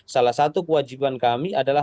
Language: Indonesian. salah satu kewajiban kami adalah